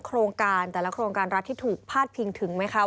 โครงการแต่ละโครงการรัฐที่ถูกพาดพิงถึงไหมคะ